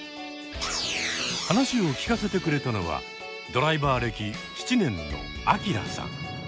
話を聞かせてくれたのはドライバー歴７年のアキラさん。